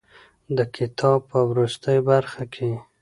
د کتاب په وروستۍ برخه کې.